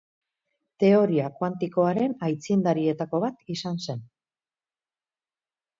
Teoria kuantikoaren aitzindarietako bat izan zen.